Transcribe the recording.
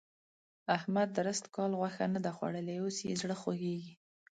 احمد درست کال غوښه نه ده خوړلې؛ اوس يې زړه خوږېږي.